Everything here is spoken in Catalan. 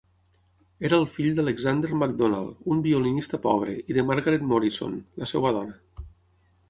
Era el fill d'Alexander Macdonald, un violinista pobre, i de Margaret Morison, la seva dona.